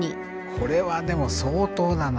これはでも相当だな。